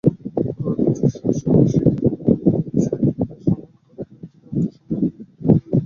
কর্মের যে-শাসন স্বীকার করে নিয়েছে তাকে অসম্মান করাকে অতীন আত্মসম্মানের বিরুদ্ধ বলেই জানে।